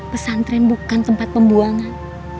pesantren bukan tempat pembuangan